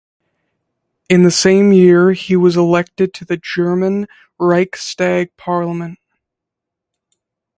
In the same year, he was elected to the German Reichstag parliament.